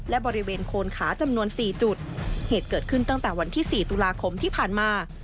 และบริเวณโคนขาจำนวนสี่จุดเหตุเกิดขึ้นตั้งแต่วันที่สี่ตุลาคมที่ผ่านมา